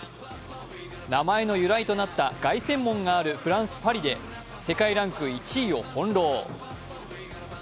名前の由来となった凱旋門があるフランス・パリで、世界ランク１位を翻弄。